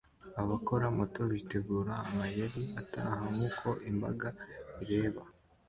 Abakora moto bitegura amayeri ataha nkuko imbaga ireba